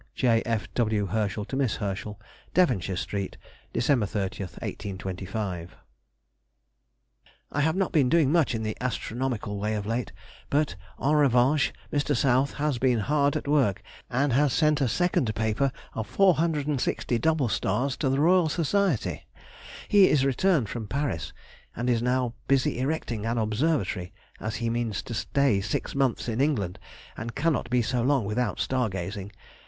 J. F. W. HERSCHEL TO MISS HERSCHEL. DEVONSHIRE STREET, Dec. 30, 1825. I have not been doing much in the astronomical way of late—but, en revanche, Mr. South has been hard at work, and has sent a second paper of 460 double stars to the Royal Society. He is returned from Paris, and is now busy erecting an observatory, as he means to stay six months in England, and cannot be so long without star gazing.